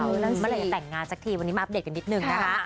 มันเหลือจะแต่งงานซักทีวันนี้มาอัพเดทกันนิดนึงนะคะ